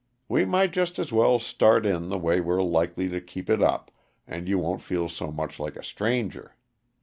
We might jest as well start in the way we're likely to keep it up, and you won't feel so much like a stranger.